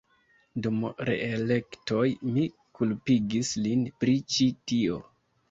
Dum reelektoj mi kulpigis lin pri ĉi tio.